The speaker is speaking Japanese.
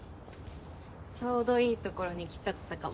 ちょうどいいところに来ちゃったかも。